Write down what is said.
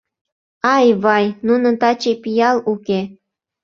Ай-вай, нунын таче пиал уке.